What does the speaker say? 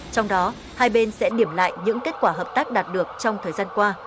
trong đó hai bên sẽ điểm lại những kết quả hợp tác đạt được trong thời gian qua